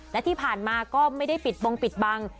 และที่ผ่านมาก็ไม่ได้ปิดบงปิดบัง